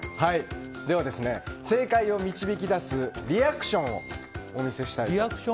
では、正解を導き出すリアクションをお見せします。